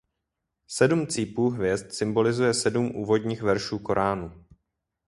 Sedm cípů hvězd symbolizuje sedm úvodních veršů koránu.